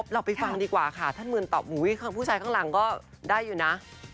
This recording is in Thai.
เราไปฟังดีกว่าค่ะท่านมืนตอบผู้ชายข้างหลังก็ได้อยู่นะ